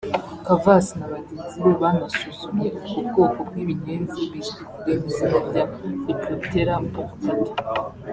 Chavas na bagenzi be banasuzumye ubwo bwoko bw’ibinyenzi bizwi ku rindi zina rya Diploptera punctata